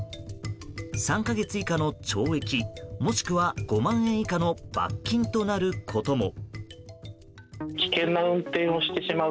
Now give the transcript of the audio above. ３か月以下の懲役もしくは５万円以下の罰金となることも。